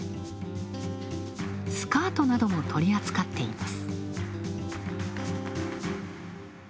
スカートなども取り扱っています。